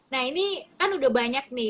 nah ini kan udah banyak nih